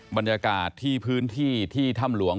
บรรยากาศที่พื้นที่ที่ถ้ำหลวง